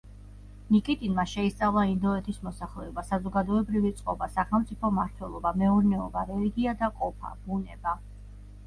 ნიკიტინმა შეისწავლა ინდოეთის მოსახლეობა, საზოგადოებრივი წყობა, სახელმწიფო მმართველობა, მეურნეობა, რელიგია და ყოფა, ბუნება.